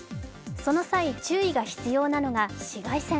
その際、注意が必要なのが紫外線。